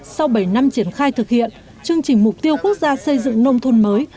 sau bảy năm triển khai thực hiện chương trình mục tiêu quốc gia xây dựng nông thôn mới